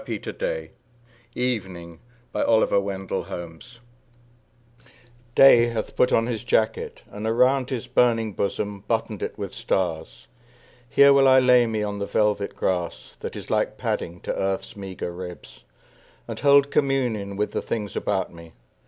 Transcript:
EVENING By A Tailor BY OLIVER WENDELL HOLMES Day hath put on his jacket, and around His burning bosom buttoned it with stars. Here will I lay me on the velvet grass, That is like padding to earth's meager ribs, And hold communion with the things about me.